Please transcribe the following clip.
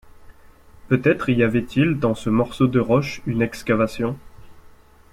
Peut-être y avait-il dans ce morceau de roche une excavation.